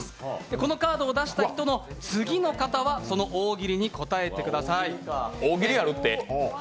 このカードを出した人の次の方は大喜利に答えてください。